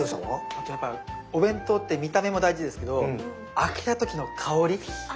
あとやっぱお弁当って見た目も大事ですけど開けた時の香り。